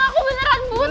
aku beneran buta